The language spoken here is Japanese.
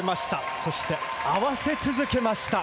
そして合わせ続けました。